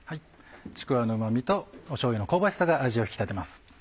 ちくわのうま味としょうゆの香ばしさが味を引き立てます。